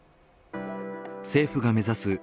政府が目指す